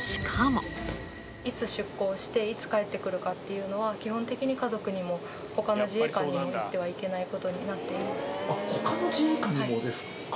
いつ出港して、いつ帰ってくるかというのは、基本的に家族にもほかの自衛官にも言ってはいけないことになってほかの自衛官にもですか？